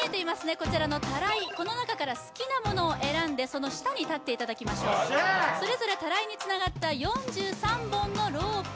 こちらのタライこの中から好きなものを選んでその下に立っていただきましょうそれぞれタライにつながった４３本のロープ